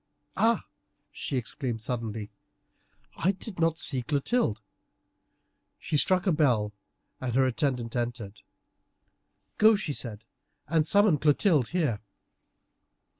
"Ah!" she exclaimed suddenly. "I did not see Clotilde." She struck a bell, and her attendant entered. "Go," she said, "and summon Clotilde here."